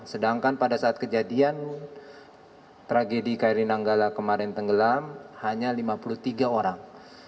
sedangkan pada saat kejadian tragedi kri nanggala kemarin tenggelam hanya lima puluh tiga orang